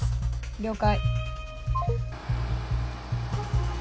了解。